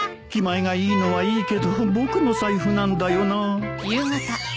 気前がいいのはいいけど僕の財布なんだよな